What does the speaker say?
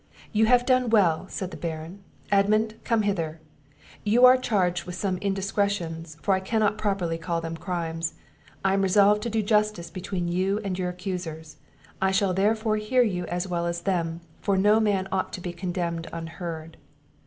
"You have done well," said the Baron. "Edmund, come hither; you are charged with some indiscretions, for I cannot properly call them crimes: I am resolved to do justice between you and your accusers; I shall therefore hear you as well as them; for no man ought to be condemned unheard."